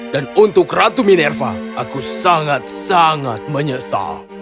dan untuk ratu minerva aku sangat sangat menyesal